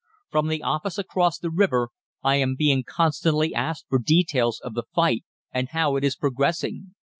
"From the office across the river I am being constantly asked for details of the fight, and how it is progressing.